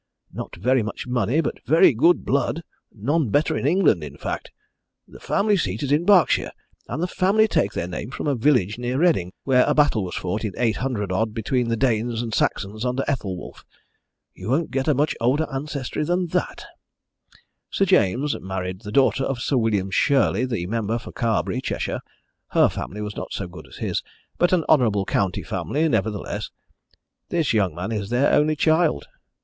Not very much money, but very good blood none better in England, in fact. The family seat is in Berkshire, and the family take their name from a village near Reading, where a battle was fought in 800 odd between the Danes and Saxons under Ethelwulf. You won't get a much older ancestry than that. Sir James married the daughter of Sir William Shirley, the member for Carbury, Cheshire her family was not so good as his, but an honourable county family, nevertheless. This young man is their only child.